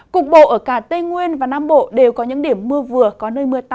cục bộ ở cả tây nguyên và nam bộ đều có những điểm mưa vừa có nơi mưa to